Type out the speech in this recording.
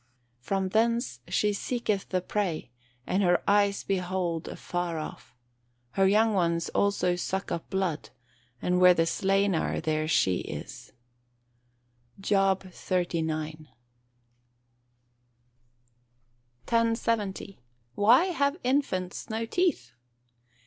"From thence she seeketh the prey, and her eyes behold afar off. Her young ones also suck up blood: and where the slain are, there is she." JOB XXXIX.] 1070. _Why have infants no teeth?